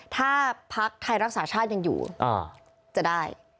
ถ้าพักไทยรักษาชาติยังอยู่จะได้